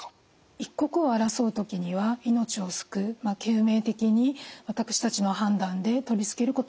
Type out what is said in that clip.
一刻を争う時には命を救う救命的に私たちの判断で取り付けることもあります。